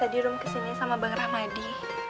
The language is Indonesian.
tadi rom kesini sama bang rahmadi